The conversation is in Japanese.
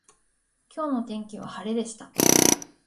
今日の天気は晴れでした。